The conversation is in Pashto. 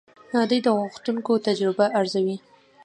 دوی د غوښتونکو تجربه ارزوي.